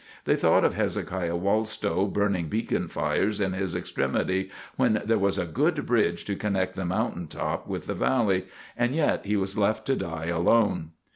They thought of Hezekiah Wallstow burning beacon fires in his extremity, when there was a good bridge to connect the mountain top with the valley, and yet he was left to die alone.